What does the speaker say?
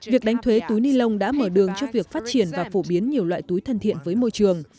việc đánh thuế túi ni lông đã mở đường cho việc phát triển và phổ biến nhiều loại túi thân thiện với môi trường